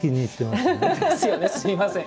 すみません。